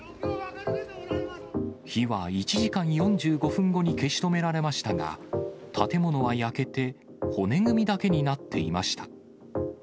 火は１時間４５分後に消し止められましたが、建物は焼けて骨組みだけになっていました。